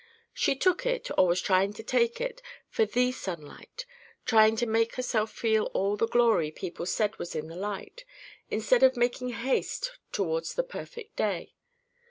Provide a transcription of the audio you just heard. She took it, or was trying to take it, for THE sunlight; trying to make herself feel all the glory people said was in the light, instead of making haste towards the perfect day.